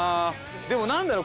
でも何だろう？